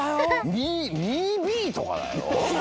２Ｂとかだよ。